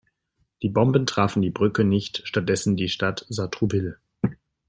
Die Bomben trafen die Brücke nicht, stattdessen die Stadt Sartrouville.